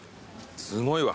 すごいわ。